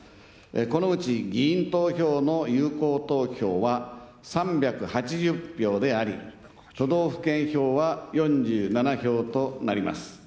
このうち議員投票の有効投票は３８０票であり、都道府県票は４７票となります。